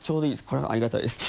これはありがたいです。